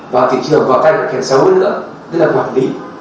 và thị trường vào cạnh là kẻ sâu hướng nữa tức là quản lý